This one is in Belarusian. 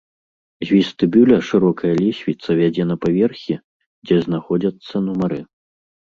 З вестыбюля шырокая лесвіца вядзе на паверхі, дзе знаходзяцца нумары.